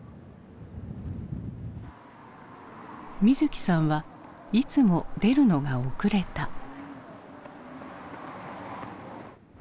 瑞起さんはいつも出るのが遅れた。